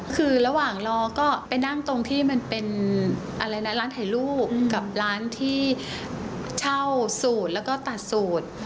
คือระหว่างรอก็ไปนั่งตรงที่มันเป็นอะไรนะร้านถ่ายรูปกับร้านที่เช่าสูตรแล้วก็ตัดสูตร